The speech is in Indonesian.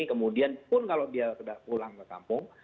kemudian pun kalau dia tidak pulang ke kampung